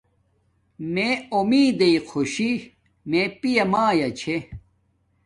می امیدݵ خوشی میے پیا میا چھے